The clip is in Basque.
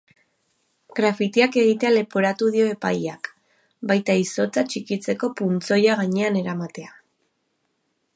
Grafitiak egitea leporatu dio epaileak, baita izotza txikitzeko puntzoia gainean eramatea.